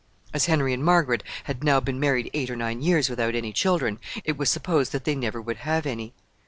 As Henry and Margaret had now been married eight or nine years without any children, it was supposed that they never would have any.